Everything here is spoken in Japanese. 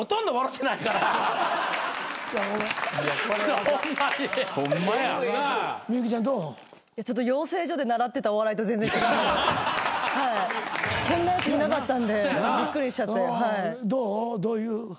どういう。